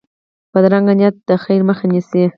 بدرنګه نیت د خیر مخه نیسي